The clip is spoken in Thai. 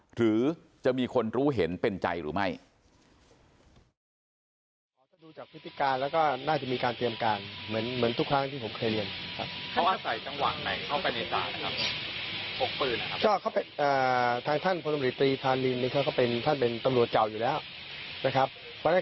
หรือจะมีคนรู้เห็นเป็นใจหรือไม่